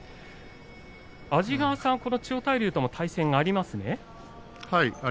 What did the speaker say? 安治川さんは千代大龍との対戦がありますね。